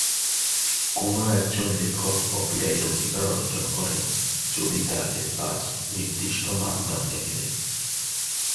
কোন একজন লেখক কপিরাইট অধিকার অর্জন করেন যদি তাদের কাজ নির্দিষ্ট মানদণ্ডে মেলে।